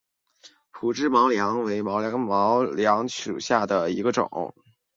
匍枝毛茛为毛茛科毛茛属下的一个种。